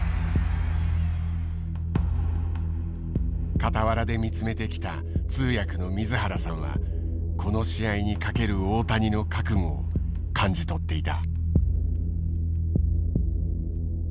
傍らで見つめてきた通訳の水原さんはこの試合にかける大谷の覚悟を感じ取っていた。